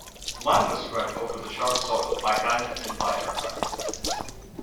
Lime was spread over the charred soil by hand and by aircraft.